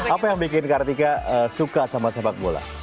apa yang bikin kartika suka sama sepak bola